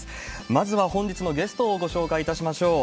まずは本日のゲストをご紹介いたしましょう。